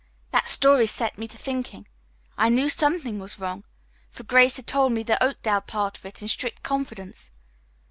That story set me to thinking. I knew something was wrong, for Grace had told me the Oakdale part of it in strict confidence.